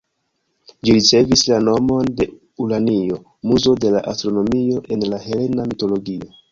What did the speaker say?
Ĝi ricevis la nomon de Uranio, muzo de la astronomio en la helena mitologio.